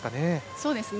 そうですね。